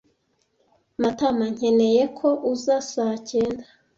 [Matama] nkeneye ko uza saa cyenda.